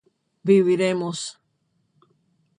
viviremos